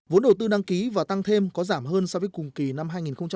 vốn đầu tư đăng ký và tăng thêm có giảm hơn so với cùng kỳ năm hai nghìn một mươi tám